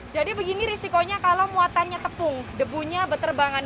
jadi begini risikonya kalau muatannya tepung debunya beterbangan